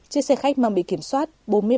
chiếc xe khách mang bị kiểm soát